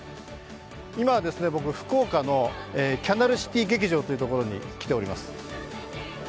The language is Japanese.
今は僕、福岡のキャナルシティ劇場というところに来ております。